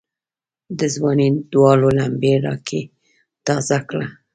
دځوانۍ داور لمبي را کې تازه کړه